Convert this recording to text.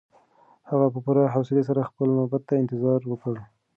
هغه په پوره حوصلي سره خپله نوبت ته انتظار وکړ.